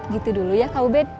gitu dulu ya kak ubed